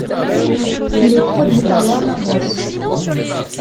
Il est produit par Warner Bros.